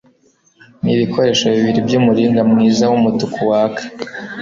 n ibikoresho bibiri by umuringa mwiza w umutuku waka